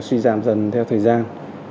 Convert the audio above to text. suy giảm dần theo thời gian